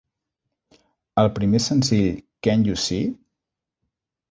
El primer senzill Can't You See?